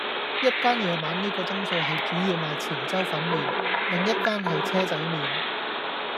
一間夜晚呢個鐘數係主要賣潮州粉麵,另一間係車仔麵